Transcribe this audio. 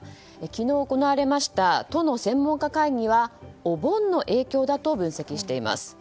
昨日行われました都の専門家会議はお盆の影響だと分析しています。